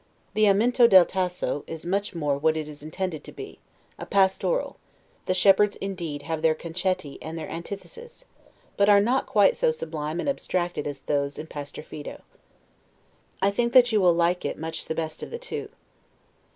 The Aminto del Tasso, is much more what it is intended to be, a pastoral: the shepherds, indeed, have their 'concetti' and their antitheses; but are not quite so sublime and abstracted as those in Pastor Fido. I think that you will like it much the best of the two.